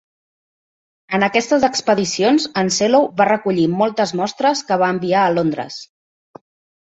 En aquestes expedicions, en Sellow va recollir moltes mostres que va enviar a Londres.